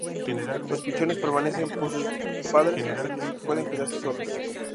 Los pichones permanecen con sus padres hasta que pueden cuidarse solos.